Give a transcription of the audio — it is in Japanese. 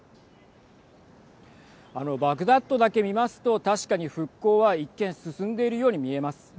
あの、バグダッドだけ見ますと確かに復興は一見進んでいるように見えます。